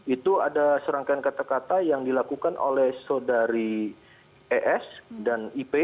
itu ada serangkaian kata kata yang dilakukan oleh saudari es dan ip